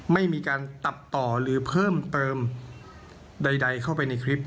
ไม่มีการตัดต่อหรือเพิ่มเติมใดเข้าไปในคลิป